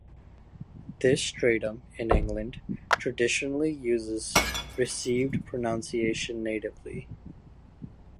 This stratum, in England, traditionally uses received pronunciation natively.